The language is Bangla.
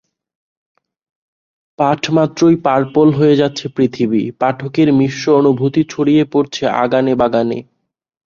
পাঠমাত্রই পার্পল হয়ে যাচ্ছে পৃথিবী, পাঠকের মিশ্র অনুভূতি ছড়িয়ে পড়ছে আগানে-বাগানে।